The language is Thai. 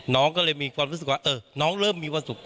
น้องก็เลยมีความรู้สึกว่าน้องเริ่มมีความสุข